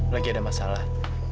lagi ada masalah